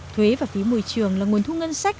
thuế và phí môi trường là nguồn thu ngân sách